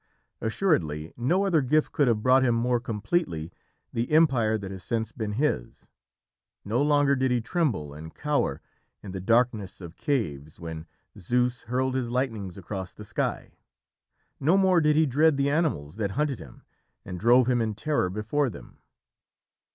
Assuredly no other gift could have brought him more completely the empire that has since been his. No longer did he tremble and cower in the darkness of caves when Zeus hurled his lightnings across the sky. No more did he dread the animals that hunted him and drove him in terror before them.